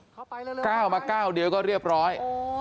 เก้ามาเก้าเดี๋ยวก็เรียบร้อย